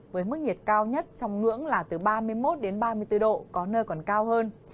với mức nhiệt cao nhất trong ngưỡng là từ ba mươi một đến ba mươi bốn độ có nơi còn cao hơn